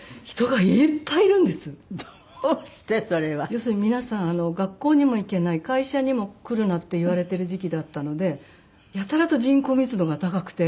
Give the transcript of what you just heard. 要するに皆さん学校にも行けない会社にも来るなって言われている時期だったのでやたらと人口密度が高くて。